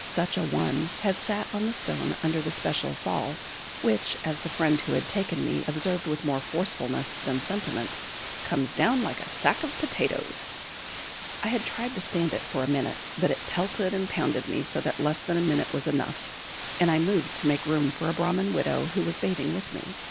Such a one had sat on the stone under the special fall which, as the friend who had taken me observed with more forcefulness than sentiment, "comes down like a sack of potatoes." I had tried to stand it for a minute, but it pelted and pounded me so that less than a minute was enough, and I moved to make room for a Brahman widow who was bathing with me.